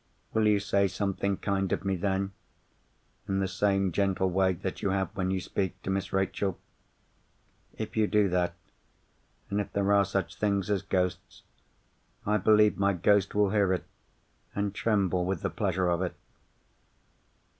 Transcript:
Will you say something kind of me then—in the same gentle way that you have when you speak to Miss Rachel? If you do that, and if there are such things as ghosts, I believe my ghost will hear it, and tremble with the pleasure of it.